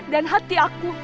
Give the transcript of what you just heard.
dan hati aku